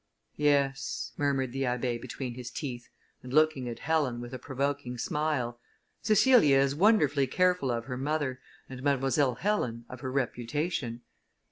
"Yes," murmured the Abbé, between his teeth, and looking at Helen, with a provoking smile, "Cecilia is wonderfully careful of her mother, and Mademoiselle Helen of her reputation."